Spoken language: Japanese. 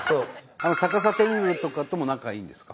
あの逆さ天狗とかとも仲いいんですか？